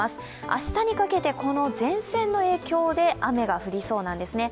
明日にかけて、この前線の影響で雨が降りそうなんですね。